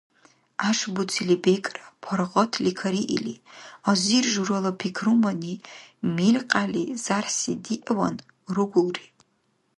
ГӀяшбуцили бекӀра, паргъатли кариилри, азир журала пикрумани, милкъяли зярхӀси диъван, ругулри.